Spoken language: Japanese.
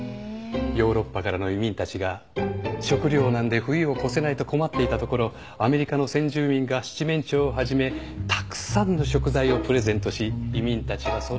ヨーロッパからの移民たちが食糧難で冬を越せないと困っていたところアメリカの先住民が七面鳥をはじめたくさんの食材をプレゼントし移民たちはそのおかげで。